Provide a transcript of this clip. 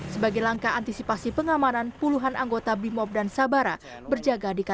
sebagai langkah antisipasi pengamanan puluhan anggota brimob dan sabara berjaga